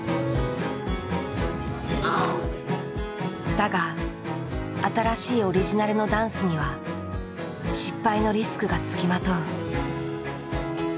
だが新しいオリジナルのダンスには失敗のリスクが付きまとう。